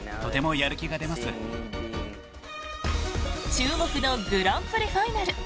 注目のグランプリファイナル。